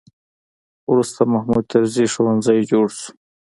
وروسته محمود طرزي ښوونځی جوړ شو.